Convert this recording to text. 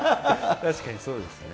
確かにそうですね。